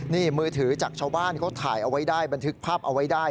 นี่มือถือจากชาวบ้านเขาถ่ายเอาไว้ได้บันทึกภาพเอาไว้ได้